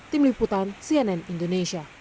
tim liputan cnn indonesia